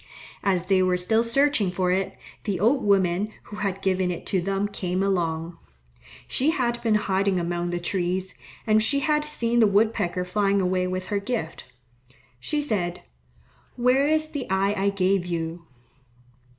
As they were still searching for it, the old woman who had given it to them came along. She had been hiding among the trees, and she had seen the wood pecker flying away with her gift. She said, "Where is the eye I gave you?"